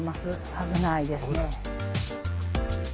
危ないですね。